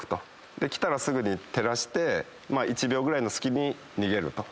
で来たらすぐに照らして１秒ぐらいの隙に逃げるというのが大事です。